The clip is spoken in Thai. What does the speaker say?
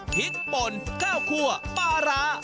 พริกป่นข้าวครัวปลารา